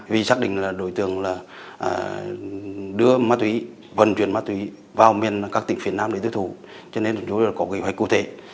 vì xác định đối tượng đưa ma túy vận chuyển ma túy vào miền các tỉnh phía nam để đối thủ cho nên chúng tôi có kế hoạch cụ thể